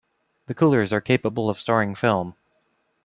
The coolers are capable of storing of film.